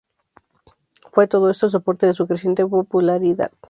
Fue todo esto el soporte de su creciente popularidad.